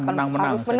akan selalu menang